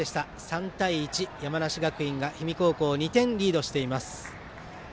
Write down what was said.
３対１、山梨学院が氷見高校を２点リードしています。